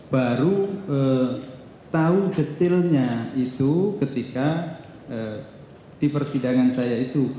baru tahu detailnya itu ketika di persidangan saya itu